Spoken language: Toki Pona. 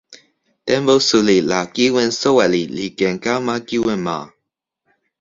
tenpo suli la kiwen soweli li ken kama kiwen ma.